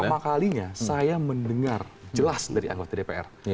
pertama kalinya saya mendengar jelas dari anggota dpr